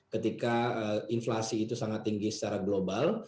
ketika inflasi itu sangat tinggi secara global